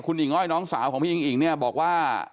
คุณหญิงอ้อยน้องสาวของพี่อิงอิ๋งเนี่ยบอกว่า